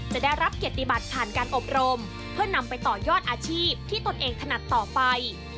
จะได้รับเกียรติบัติผ่านการอบรมเพื่อนำไปต่อยอดอาชีพที่ตนเองถนัดต่อไป